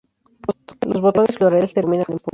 Los botones florales terminan en punta.